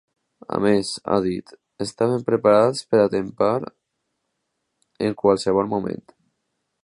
A més –ha dit–, estaven preparats per a atemptar en qualsevol moment.